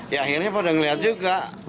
ya akhirnya pada ngelihat juga